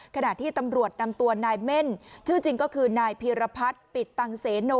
ขณะที่ตำรวจนำตัวนายเม่นชื่อจริงก็คือนายพีรพัฒน์ปิดตังเสโน